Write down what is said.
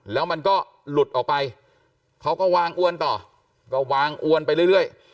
แล้วมันก็หลุดออกไปเขาก็วางอ้วนต่อก็วางอ้วนไปเรื่อย